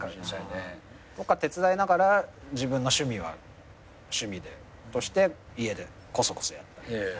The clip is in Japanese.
手伝いながら自分の趣味は趣味として家でこそこそやったり。